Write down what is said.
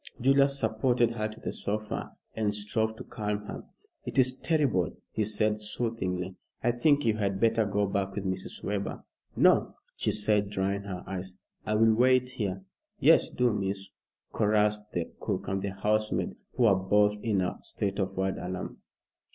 Julius supported her to the sofa and strove to calm her. "It is terrible," he said soothingly. "I think you had better go back with Mrs. Webber." "No!" she said, drying her eyes. "I will wait here." "Yes, do, miss," chorussed the cook and the housemaid, who were both in a state of wild alarm.